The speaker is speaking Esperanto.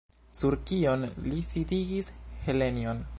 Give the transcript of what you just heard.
Sur kion li sidigis Helenjon?